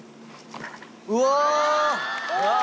うわ！